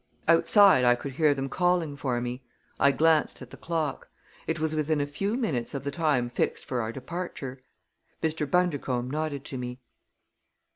Outside I could hear them calling for me. I glanced at the clock. It was within a few minutes of the time fixed for our departure. Mr. Bundercombe nodded to me.